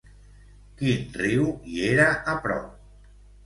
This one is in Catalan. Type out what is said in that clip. Quin riu hi era a prop?